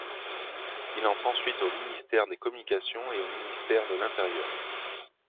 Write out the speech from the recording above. Il entre ensuite au ministère des Communications et au ministère de l'Intérieur.